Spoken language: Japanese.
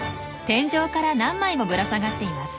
天井から何枚もぶら下がっています。